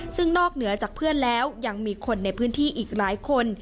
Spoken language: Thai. ซึ่งนอกเหนือจากเพื่อนแล้วยังมีคนในพื้นที่อีกหลายคน